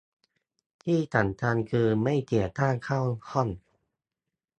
ที่สำคัญคือ ไม่เสียค่าเช่าห้อง